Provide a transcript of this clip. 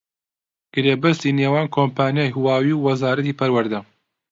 گرێبەستی نێوان کۆمپانیای هواوی و وەزارەتی پەروەردە